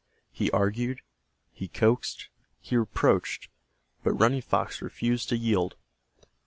He argued, he coaxed, he reproached, but Running Fox refused to yield.